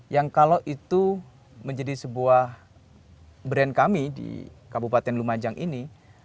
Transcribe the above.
yang kalau itu menjadi sebuah brand kami di kabupaten lumajang ini